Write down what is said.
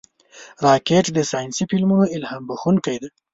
راکټ د ساینسي فلمونو الهام بښونکی دی